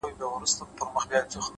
خپل ژوند د پوهې او عمل په رڼا جوړ کړئ؛